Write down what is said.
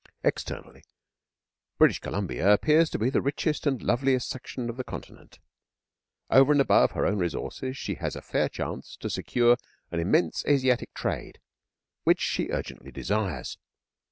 Externally, British Columbia appears to be the richest and the loveliest section of the Continent. Over and above her own resources she has a fair chance to secure an immense Asiatic trade, which she urgently desires.